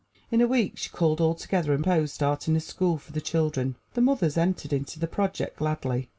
In a week she called all together and proposed starting a school for the children. The mothers entered into the project gladly.